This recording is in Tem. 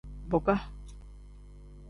Boka.